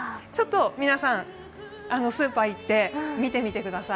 皆さんスーパー行って見てみてください。